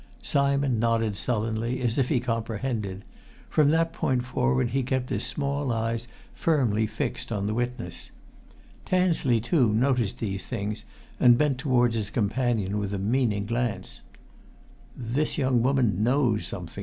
Simon nodded sullenly, as if he comprehended; from that point forward he kept his small eyes firmly fixed on the witness. Tansley, too, noticed these things, and bent towards his companion with a meaning glance. "This young woman knows something!"